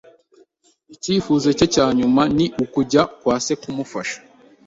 Icyifuzo cye cya nyuma ni ukujya kwa se kumufasha